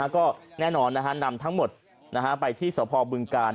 ก็แน่นอนนำทั้งหมดไปที่สพบึงกาล